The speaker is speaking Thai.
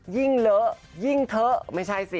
ยิ่งเหลือยิ่งเถอะไม่ใช่สิ